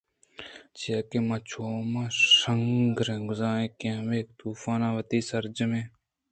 چیاکہ ما چوہما شِنگریں گزّ ءَ ئیں کہ ہمک طُوفان ءَ وتی سرا جہلیں